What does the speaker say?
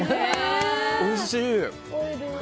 おいしい。